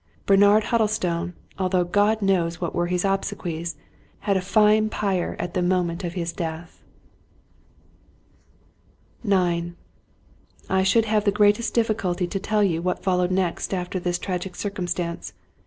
Ber nard Huddlestone, although God knows what were his obse quies, had a fine pyre at the moment of his death. IX I SHOULD have the greatest difficulty to tell you what fol lowed next after this tragic circumstance.